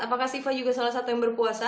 apakah siva juga salah satu yang berpuasa